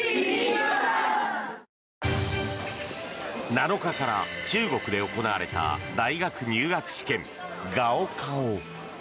７日から中国で行われた大学入学試験、ガオカオ。